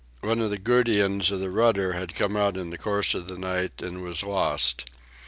One of the gudgeons of the rudder had come out in the course of the night and was lost.